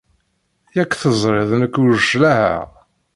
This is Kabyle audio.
Yak teẓriḍ nekk ur claɛeɣ.